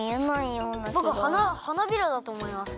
ぼく花びらだとおもいます。